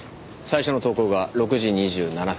最初の投稿が６時２７分。